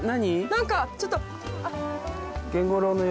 何かちょっと。